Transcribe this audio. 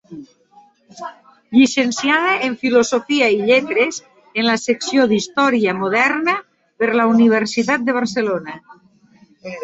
Llicenciada en Filosofia i Lletres en la secció d'història Moderna per la Universitat de Barcelona.